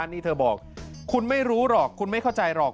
นี่เธอบอกคุณไม่รู้หรอกคุณไม่เข้าใจหรอก